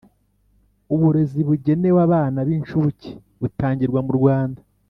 Uburezi bugenewe abana b incuke butangirwa murwanda